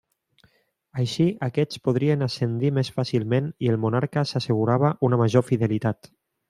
Així aquests podrien ascendir més fàcilment i el monarca s'assegurava una major fidelitat.